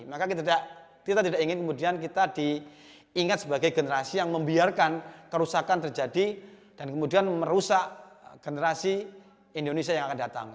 maka kita tidak ingin kemudian kita diingat sebagai generasi yang membiarkan kerusakan terjadi dan kemudian merusak generasi indonesia yang akan datang